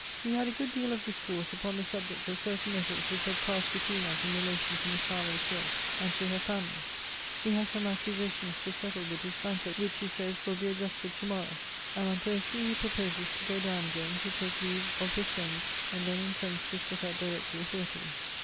We had a good deal of discourse upon the subject of certain letters which had passed between us in relation to Miss Harlowe's will, and to her family. He has some accounts to settle with his banker; which, he says, will be adjusted to morrow; and on Thursday he proposes to go down again, to take leave of his friends; and then intends to set out directly for Italy.